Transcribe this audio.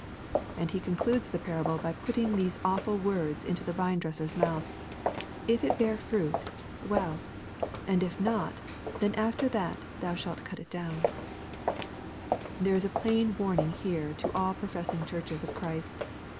And He concludes the parable by putting these awful words into the vinedresser's mouth :" If it bear fruit, well : and if not, then after that thou shalt cut it down/' There is a plain warning here to all professing churches of Christ.